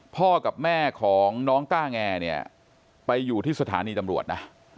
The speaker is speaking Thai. พ่อกับแม่ของน้องต้าแงเนี่ยไปอยู่ที่สถานีตำรวจนะ